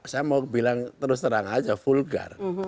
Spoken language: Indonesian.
saya mau bilang terus terang aja vulgar